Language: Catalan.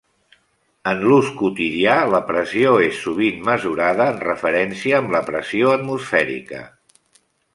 En l'ús quotidià, la pressió és sovint mesurada en referència amb la pressió atmosfèrica.